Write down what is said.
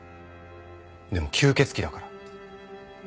でも吸血鬼だから。